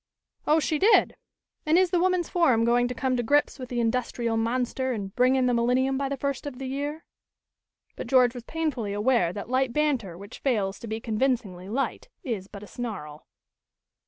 "Oh, she did! and is the Woman's Forum going to come to grips with the industrial monster and bring in the millennium by the first of the year?" But George was painfully aware that light banter which fails to be convincingly light is but a snarl.